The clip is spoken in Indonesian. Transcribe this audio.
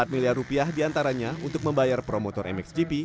empat miliar rupiah diantaranya untuk membayar promotor mxgp